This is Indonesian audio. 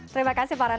terima kasih pak renaud